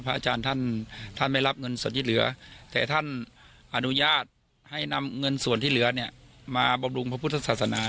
อาจารย์ท่านไม่รับเงินส่วนที่เหลือแต่ท่านอนุญาตให้นำเงินส่วนที่เหลือเนี่ยมาบำรุงพระพุทธศาสนา